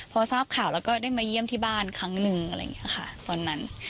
พอทราบข่าวแล้วก็ได้มาเยี่ยมที่บ้านครั้งนึงอะไรอย่างนี้ค่ะตอนนั้น